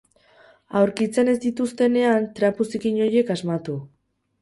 Aurkitzen ez dituztenean trapu zikin horiek asmatu.